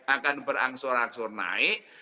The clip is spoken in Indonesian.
akan berangsur angsur naik